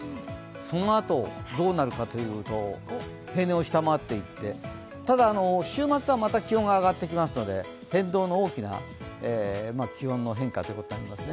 そのあと、どうなるかというと平年を下回っていってただ週末はまた気温が上がってきますので変動の大きな気温の変化ということになりますね。